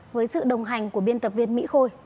với sự đồng hành của biên tập viên mỹ khôi